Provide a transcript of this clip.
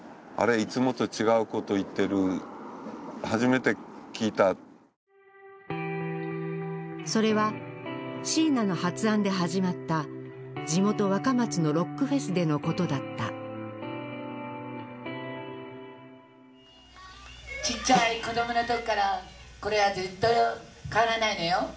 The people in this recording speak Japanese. いつもと違うこと言ってる初めて聞いたそれはシーナの発案で始まった地元・若松のロックフェスでのことだったちっちゃい子供の時からこれはずっと変わらないのよ